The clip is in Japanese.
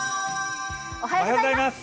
おはようございます。